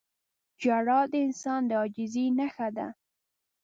• ژړا د انسان د عاجزۍ نښه ده.